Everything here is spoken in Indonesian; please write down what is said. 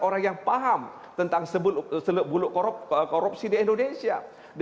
orang yang paham tentang buluk korupsi di indonesia